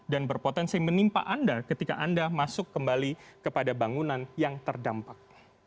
dan berpotensi menimpa anda ketika anda masuk kembali kepada bangunan yang terdampak